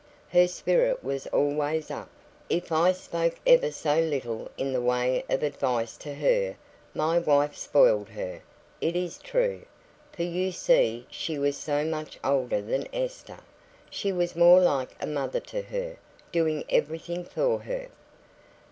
Her spirit was always up, if I spoke ever so little in the way of advice to her; my wife spoiled her, it is true, for you see she was so much older than Esther she was more like a mother to her, doing every thing for her."